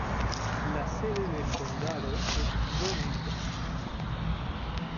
La sede del condado es Burlington.